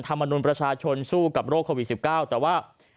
ทำอนุณประชาชนสู้กับโรคโควิดสิบเก้าแต่ว่า